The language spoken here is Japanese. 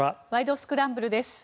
スクランブル」です。